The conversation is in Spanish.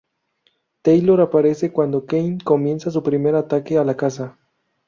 Taylor aparece cuando Kane comienza su primer ataque a la casa.